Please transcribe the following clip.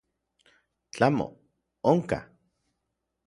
Tlamo, onka.